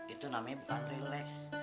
itu namanya bukan relax